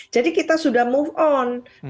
jadi kita sudah bergerak ke depan